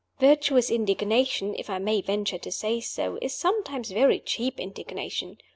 Virtuous indignation (if I may venture to say so) is sometimes very cheap indignation.